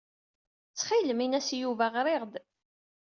Ttxil-m, ini-as i Yuba ɣriɣ-d.